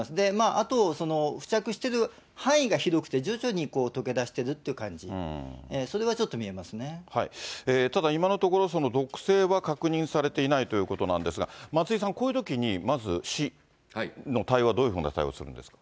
あと、付着してる範囲が広くて、徐々に溶けだしてるっていう感じ、それただ、今のところ毒性は確認されていないということなんですが、松井さん、こういうときに、まず、市の対応はどういうふうな対応をするんですか。